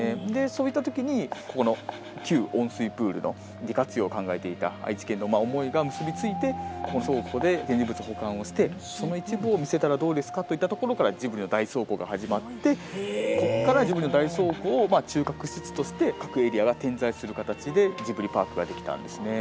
そういった時にここの旧温水プールの利活用を考えていた愛知県の思いが結びついてこの倉庫で展示物を保管してその一部を見せたらどうですかといったところからジブリの大倉庫が始まってここから、ジブリの大倉庫を中核施設として各エリアが点在するかたちでジブリパークができたんですね。